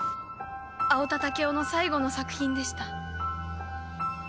青田武夫の最後の作品でした。